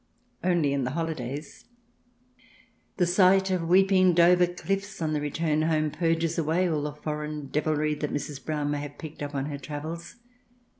Only in the holidays. The sight of weeping Dover cliffs on the return home purges away all the foreign devilry that Mrs. Brown may have picked up on her travels.